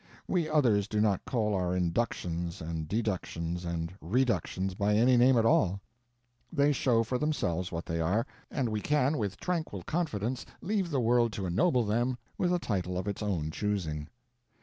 We others do not call our inductions and deductions and reductions by any name at all. They show for themselves what they are, and we can with tranquil confidence leave the world to ennoble them with a title of its own choosing.